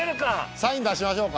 サイン出しましょうか？